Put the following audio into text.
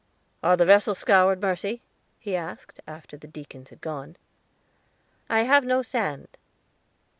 "Are the vessels scoured, Mercy?" he asked, after the deacons had gone. "I have no sand."